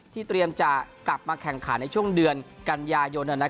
เตรียมจะกลับมาแข่งขันในช่วงเดือนกันยายน